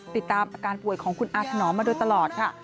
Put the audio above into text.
ติดตามอาการป่วยของคุณอาถนอมมาโดยตลอดค่ะ